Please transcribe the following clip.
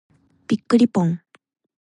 びっくりぽん。